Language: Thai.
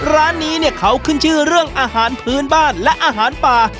ร้านนี้เนี่ยเขาขึ้นชื่อเรื่องอาหารพื้นบ้านและอาหารป่า